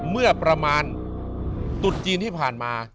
เมื่อประมาณตุดจีนที่ผ่านมา